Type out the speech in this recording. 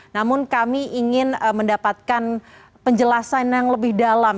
namun kami ingin mendapatkan penjelasan yang lebih dalam